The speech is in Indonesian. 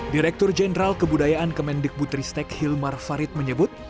direktur jenderal kebudayaan kemendikbud ristek hilmar farid menyebut